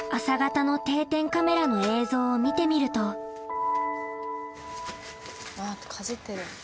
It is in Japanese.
朝方の定点カメラの映像を見てみるとかじってる。